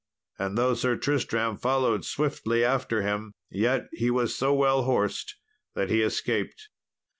And though Sir Tristram followed swiftly after him, yet he was so well horsed that he escaped.